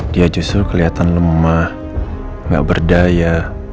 dia justru kelihatan lemah gak berdaya